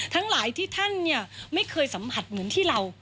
ทั้งหลายที่ท่านไม่เคยสัมผัสเหมือนที่เรา